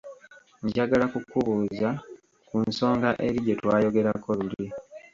Njagala kukubuuza , ku nsonga eri gye twayogerako luli.